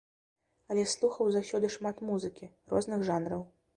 Але слухаў заўсёды шмат музыкі, розных жанраў.